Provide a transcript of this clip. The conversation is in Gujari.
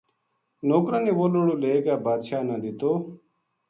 نوکراں نے وہ لڑو لے کے بادشاہ نا دیتو